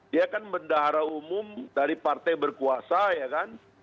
dia kan bendahara umum dari partai berkuasa ya kan